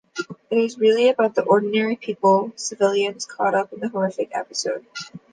It is really about the ordinary people, civilians, caught up in that horrific episode.